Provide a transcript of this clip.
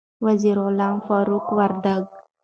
وزیر غلام فاروق وردک